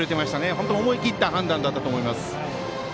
本当に思い切った判断だったと思います。